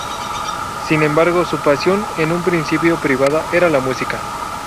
Sin embargo, su pasión, en un principio privada, era la música.